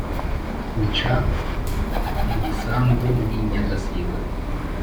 nca mu gisambu n’i nyagasig